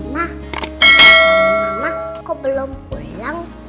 ma ma ma kok belum pulang